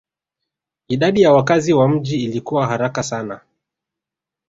Idadi ya wakazi wa mji ilikua haraka sana